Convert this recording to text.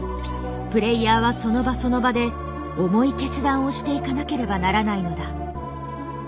プレイヤーはその場その場で重い決断をしていかなければならないのだ。